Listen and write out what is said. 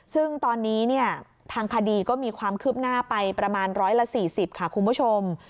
ซึ่งตอนนี้ทางคดีก็มีความคืบหน้าไปประมาณ๑๔๐ค่ะคุณผู้ชม